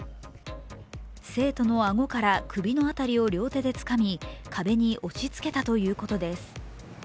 生徒の顎から首の辺りを両手でつかみ壁に押しつけたということです。